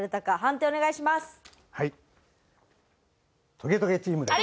トゲトゲチームです。